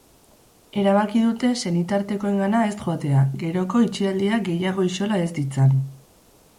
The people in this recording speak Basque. Erabaki dute senitartekoengana ez joatea, geroko itxialdiak gehiago isola ez ditzan.